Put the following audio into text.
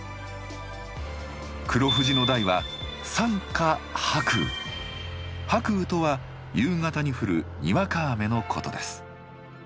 黒富士の題はとは夕方に降るにわか雨のことです。